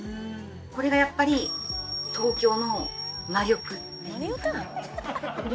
「これがやっぱり東京の魔力」